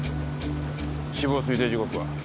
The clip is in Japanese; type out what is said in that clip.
死亡推定時刻は？